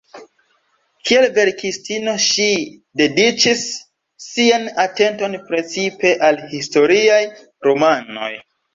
Kiel verkistino ŝi dediĉis sian atenton precipe al historiaj romanoj.